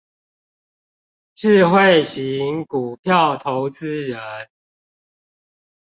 智慧型股票投資人